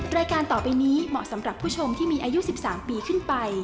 รายการต่อไปนี้เหมาะสำหรับผู้ชมที่มีอายุ๑๓ปีขึ้นไป